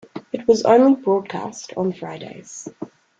It was only broadcast on Fridays.